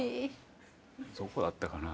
どこだったかな。